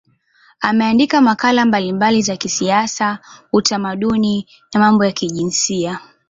Ameandika makala mbalimbali za kisiasa, utamaduni na mambo ya kijinsia.